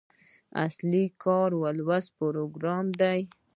اصلي کار لوست پروګرام دی.